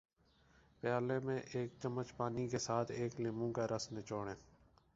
پیالے میں ایک چمچ پانی کے ساتھ ایک لیموں کا رس نچوڑیں